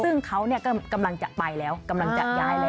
ซึ่งเขาก็กำลังจะไปแล้วกำลังจะย้ายแล้ว